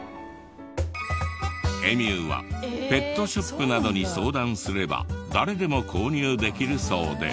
エミューはペットショップなどに相談すれば誰でも購入できるそうで。